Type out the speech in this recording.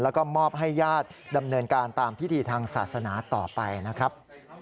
แล้วก็มอบให้ญาติดำเนินการตามพิธีทางศาสนาต่อไปนะครับ